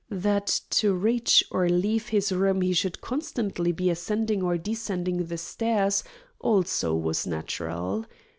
That to reach or leave his room he should constantly be ascending or descending the stairs also was natural.